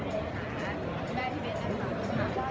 พี่แม่ที่เว้นได้รับความรู้สึกมากกว่า